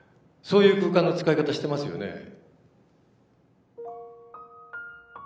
そういう空間の使い方してますよね？